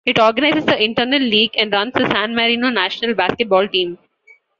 It organizes the internal league and runs the San Marino national basketball team.